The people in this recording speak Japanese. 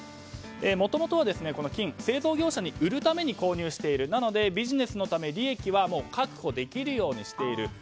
もともと、金は製造業者に売るために購入しているのでビジネスのため利益は確保できるようにしている。